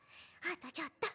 あとちょっと。